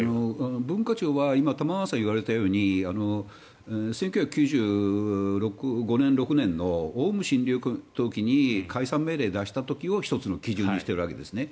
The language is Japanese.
文化庁は今、玉川さんが言われたように１９９５年、１９９６年のオウム真理教の時に解散命令を出した時を１つの基準にしているわけですね。